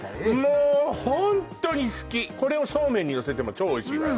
もうホントに好きこれをそうめんにのせても超おいしいわよ